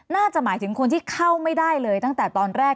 น่าจะหมายถึงคนที่เข้าไม่ได้เลยตั้งแต่ตอนแรก